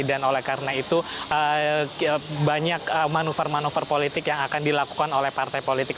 dan oleh karena itu banyak manuver manuver politik yang akan dilakukan oleh partai politik